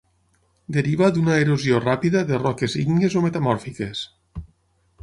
Deriva d'una erosió ràpida de roques ígnies o metamòrfiques.